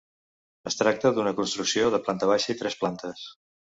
Es tracta d'una construcció de planta baixa i tres plantes.